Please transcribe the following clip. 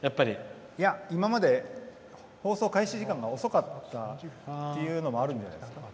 今まで放送開始時間が遅かったっていうのもあるんじゃないですか。